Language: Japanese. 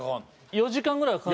４時間ぐらいはかかる。